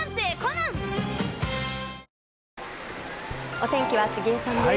お天気は杉江さんです。